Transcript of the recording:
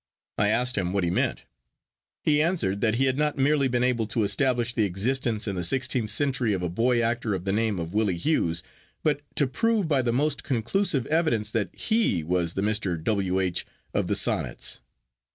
I asked him what he meant. He answered that he had not merely been able to establish the existence in the sixteenth century of a boy actor of the name of Willie Hughes, but to prove by the most conclusive evidence that he was the Mr. W. H. of the Sonnets.